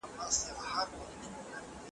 له اورنګه تر فرنګه چي راغلي .